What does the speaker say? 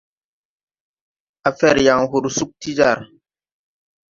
Á fɛr yaŋ hor sug ti jar.